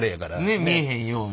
ね見えへんように。